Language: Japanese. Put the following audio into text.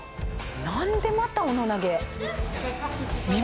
何でまたオノ投げ。